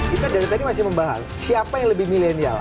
kita dari tadi masih membahas siapa yang lebih milenial